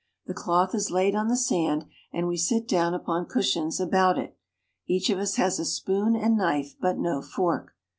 The cloth is laid on the sand, and we sit down upon cushions about it. Each of us has a spoon and knife, but no fork.